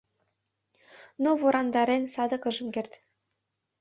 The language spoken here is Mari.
Но ворандарен садак ыжым керт.